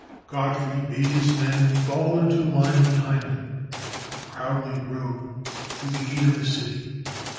Godfrey bade his men fall into line behind him and he proudly rode through the gate of the city.